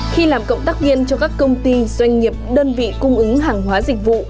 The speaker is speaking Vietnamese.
khi làm cộng tác viên cho các công ty doanh nghiệp đơn vị cung ứng hàng hóa dịch vụ